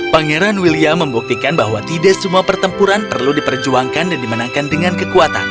pangeran william membuktikan bahwa tidak semua pertempuran perlu diperjuangkan dan dimenangkan dengan kekuatan